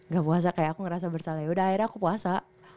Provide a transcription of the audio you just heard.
gak puasa kayak aku ngerasa bersalah yaudah akhirnya aku puasa